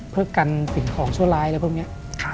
เพื่อกันสิ่งของชั่วร้ายอะไรพวกนี้